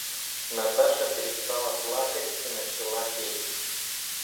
Наташа перестала плакать и начала петь.